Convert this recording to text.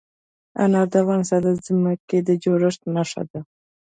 انار د افغانستان د ځمکې د جوړښت نښه ده.